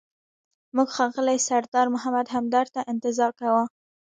موږ ښاغلي سردار محمد همدرد ته انتظار کاوه.